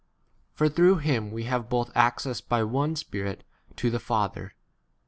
For through him we have both access by one Spirit to 19 the Father.